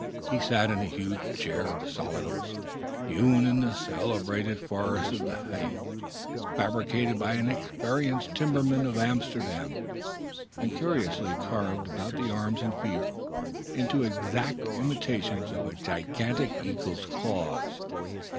He sat in a huge chair of solid oak, hewn in the celebrated forest of the Hague, fabricated by an experienced timmerman of Amsterdam, and curiously carved about the arms and feet into exact imitations of gigantic eagle's claws.